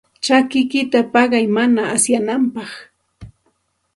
Chakikiyta paqay mana asyananpaq.